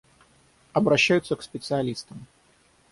Обращаются к специалистам.